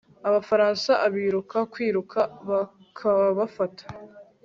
Abafaransa abiruka kwiruka bakabafata